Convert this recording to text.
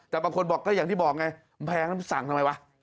แต่บางคนบอกอย่างที่บอกไงแพงสั่งทำไมวะ